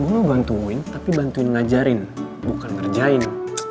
lu bantuin tapi bantuin ngajarin bukan ngerjain